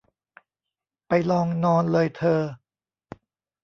ไปลองนอนเลยเธอ